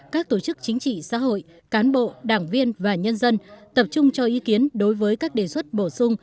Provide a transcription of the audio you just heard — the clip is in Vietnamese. các tổ chức chính trị xã hội cán bộ đảng viên và nhân dân tập trung cho ý kiến đối với các đề xuất bổ sung